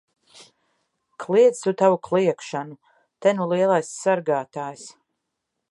Kliedz tu tavu kliegšanu! Te nu lielais sargātājs!